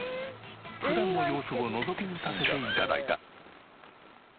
普段の様子をのぞき見させて頂いた。